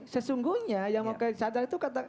sesungguhnya yang pakai cadar itu